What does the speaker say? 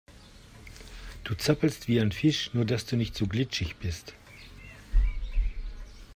Du zappelst wie ein Fisch, nur dass du nicht so glitschig bist.